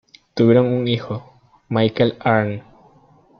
Tuvieron un hijo, Michael Arne.